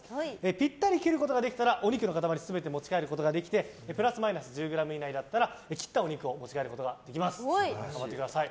ぴったり切ることができたらお肉の塊全てを持ち帰ることができてプラスマイナス１０ｇ以内だったら持ち帰ることができます。